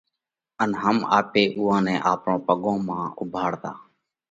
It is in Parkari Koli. ان هم آپي اُوئا نئہ آپرون پڳون مانه نه اُوڀاڙتا